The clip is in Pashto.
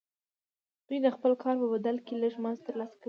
دوی د خپل کار په بدل کې لږ مزد ترلاسه کوي